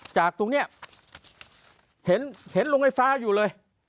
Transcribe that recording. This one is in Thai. จากตรงนี้เห็นโรงไฟฟ้าอยู่เลย